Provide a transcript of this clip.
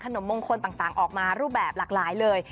นมมงคลต่างออกมารูปแบบหลากหลายเลย